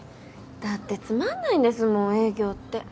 だってつまんないんですもん営業って。